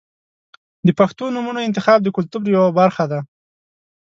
• د پښتو نومونو انتخاب د کلتور یوه برخه ده.